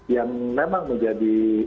yang memang menjadi